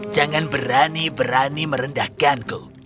jangan berani berani merendahkanku